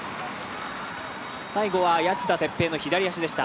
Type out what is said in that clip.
最後は谷内田哲平の左足でした。